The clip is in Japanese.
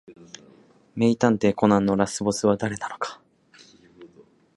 名探偵コナンのラスボスは誰なのか